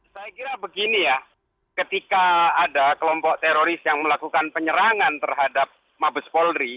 saya kira begini ya ketika ada kelompok teroris yang melakukan penyerangan terhadap mabes polri